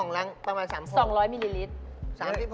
หลังประมาณ๓๖๒๐๐มิลลิลิตร